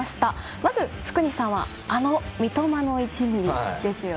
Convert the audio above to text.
まず福西さんはあの三笘の１ｍｍですね。